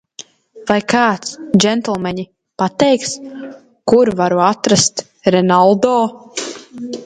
Vai kāds, džentelmeņi, pateiks, kur varu atrast Renaldo?